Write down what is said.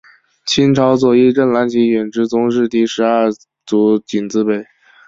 清朝左翼正蓝旗远支宗室第十二族绵字辈。